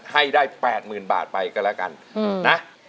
ให้ได้๘๐๐๐บาทไปก็แล้วกันนะ